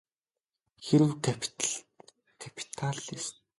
Хэрэв капиталистад мөнгө хэрэгтэй болбол тэр улам шаргуу ажиллана.